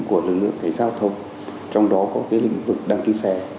của lực lượng cải giao thông trong đó có cái lĩnh vực đăng ký xe